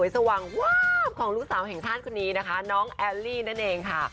สว่างวาบของลูกสาวแห่งชาติคนนี้นะคะน้องแอลลี่นั่นเองค่ะ